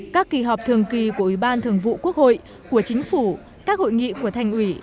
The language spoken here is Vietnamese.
các kỳ họp thường kỳ của ủy ban thường vụ quốc hội của chính phủ các hội nghị của thành ủy